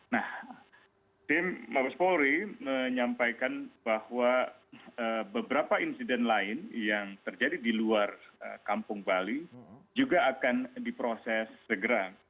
nah tim mabes polri menyampaikan bahwa beberapa insiden lain yang terjadi di luar kampung bali juga akan diproses segera